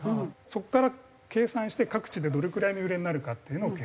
そこから計算して各地でどれくらいの揺れになるかっていうのを計算します。